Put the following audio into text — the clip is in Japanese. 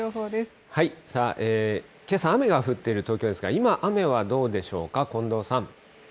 けさ、雨が降っている東京ですが、今、雨はどうでしょうか、近藤さん。